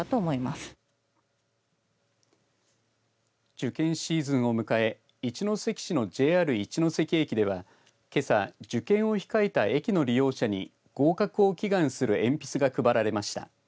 受験シーズンを迎え一関市のＪＲ一ノ関駅では、けさ受験を控えた駅の利用者に合格を祈願する鉛筆が配られました。